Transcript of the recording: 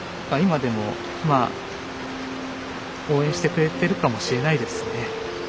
今でもまあ応援してくれてるかもしれないですね。